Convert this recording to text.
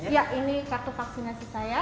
ya ini kartu vaksinasi saya